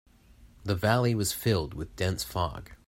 The valley was filled with dense fog.